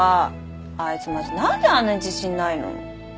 あいつマジ何であんなに自信ないの？